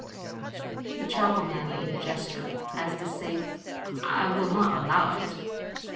The charcoal man made a gesture, as though to say, "I will not allow it."